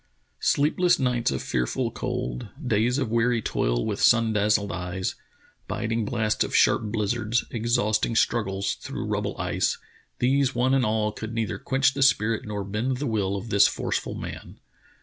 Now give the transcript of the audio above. Sleepless nights of fearful cold, days of weary toil with sun dazzled eyes, biting blasts of sharp blizzards, ex hausting struggles through rubble ice — these one and all could neither quench the spirit nor bend the will of this forceful man.